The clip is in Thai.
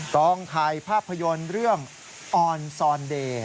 กองถ่ายภาพยนตร์เรื่องออนซอนเดย์